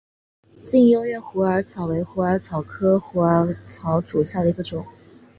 近优越虎耳草为虎耳草科虎耳草属下的一个种。